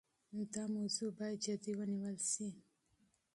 دا موضوع باید جدي ونیول شي.